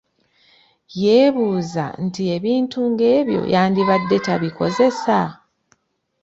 Yeebuuza nti ebintu ng’ebyo yandibadde tabikozesa?